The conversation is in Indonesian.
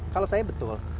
kalau saya betul